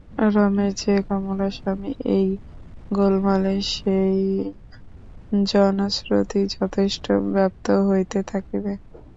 রমেশ যে কমলার স্বামী, এই গোলমালে সেই জনশ্রুতি যথেষ্ট ব্যাপ্ত হইতে থাকিবে।